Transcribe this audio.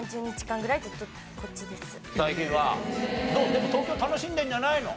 でも東京楽しんでるんじゃないの？